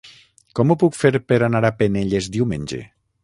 Com ho puc fer per anar a Penelles diumenge?